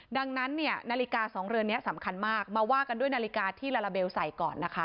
ดังนั้นเนี่ยนาฬิกา๒เรือนนี้สำคัญมากมาว่ากันด้วยนาฬิกาที่ลาลาเบลใส่ก่อนนะคะ